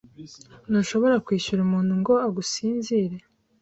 Ntushobora kwishyura umuntu ngo agusinzire.